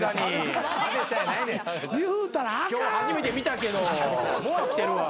今日初めて見たけどもう飽きてるわ。